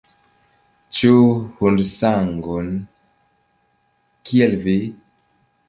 Ĉu hundsangon, kiel vi?